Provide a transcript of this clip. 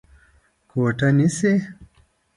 کوټه نيسې؟